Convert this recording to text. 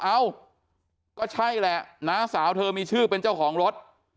เอ้าก็ใช่แหละน้าสาวเธอมีชื่อเป็นเจ้าของรถ